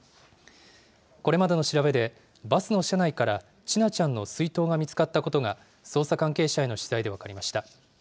これまでの調べで、バスの車内から千奈ちゃんの水筒が見つかったことが捜査関係者への取材で分かりました。